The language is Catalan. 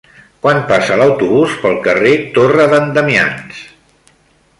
Quan passa l'autobús pel carrer Torre d'en Damians?